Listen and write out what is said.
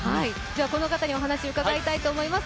この方にお話伺いたいと思います。